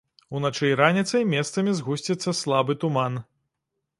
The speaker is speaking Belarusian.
Уначы і раніцай месцамі згусціцца слабы туман.